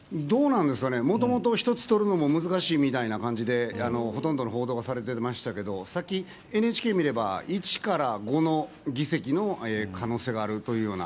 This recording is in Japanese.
もともと、一つ取るのも難しいみたいな感じでほとんどの報道がされてましたが、さっきＮＨＫ見たら１５の議席の可能性があるというような。